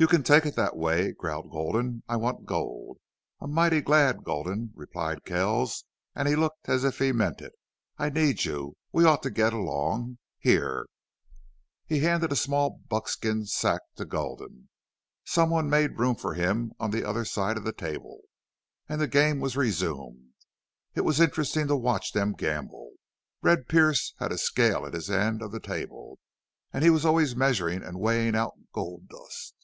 "You can take it that way," growled Gulden. "I want gold." "I'm mighty glad, Gulden," replied Kells, and he looked as if he meant it. "I need you. We ought to get along.... Here." He handed a small buckskin sack to Gulden. Someone made room for him on the other side of the table, and the game was resumed. It was interesting to watch them gamble. Red Pearce had a scale at his end of the table, and he was always measuring and weighing out gold dust.